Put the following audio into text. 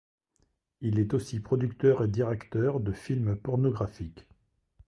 Il est aussi producteur et directeur de films pornographiques.